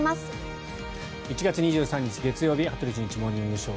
１月２３日、月曜日「羽鳥慎一モーニングショー」。